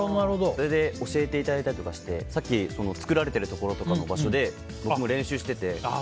それで教えていただいたりとかしてさっき作られてる場所で僕も練習してて。